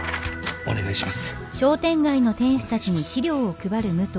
お願いします。